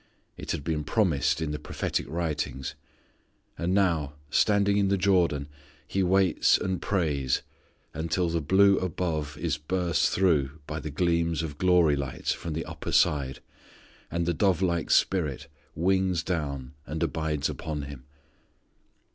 It had been promised in the prophetic writings. And now, standing in the Jordan, He waits and prays until the blue above is burst through by the gleams of glory light from the upper side and the dove like Spirit wings down and abides upon Him.